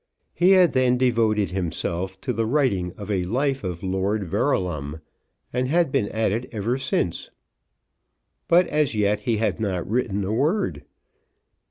He had then devoted himself to the writing of a life of Lord Verulam, and had been at it ever since. But as yet he had not written a word.